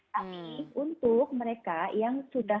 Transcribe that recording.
tapi untuk mereka yang sudah